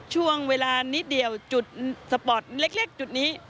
ช่วงเวลานิดเดียวจุดสปอร์ตเล็กจุดนี้